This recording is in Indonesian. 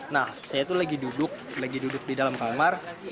nah saya tuh lagi duduk lagi duduk di dalam kamar